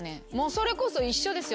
それこそ一緒ですよ